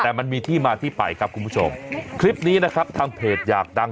แต่มันมีที่มาที่ไปครับคุณผู้ชมคลิปนี้นะครับทางเพจอยากดัง